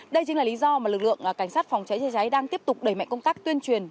đây chính là lý do mà lực lượng cảnh sát phòng cháy chữa cháy đang tiếp tục đẩy mạnh công tác tuyên truyền